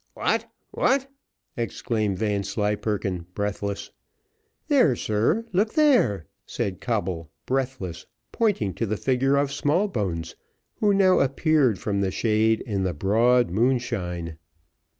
"What, what!" exclaimed Vanslyperken, breathless. "There, sir, look there," said Coble, breathless, pointing to the figure of Smallbones, who now appeared from the shade in the broad moonshine.